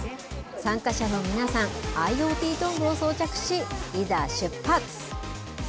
参加者の皆さん、ＩｏＴトングを装着し、いざ、出発。